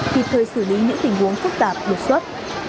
kịp thời xử lý những tình huống phức tạp đột xuất